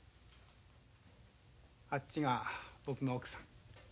あっちが僕の奥さん。